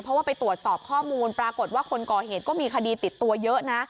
เพราะว่าไปตรวจสอบข้อมูลปรากฏว่าคนก่อเหตุก็มีคดีติดตัวเยอะนะ